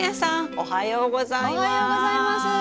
おはようございます。